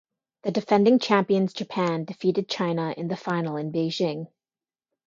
The defending champions Japan defeated China in the final in Beijing.